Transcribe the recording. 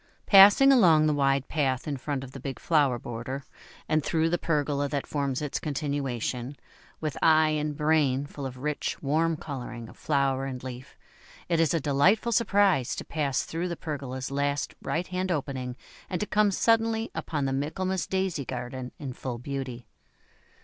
Passing along the wide path in front of the big flower border, and through the pergola that forms its continuation, with eye and brain full of rich, warm colouring of flower and leaf, it is a delightful surprise to pass through the pergola's last right hand opening, and to come suddenly upon the Michaelmas Daisy garden in full beauty.